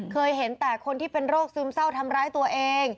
เคยเห็นแต่คนที่เป็นโรคซึมเศร้าทำร้ายตัวเอง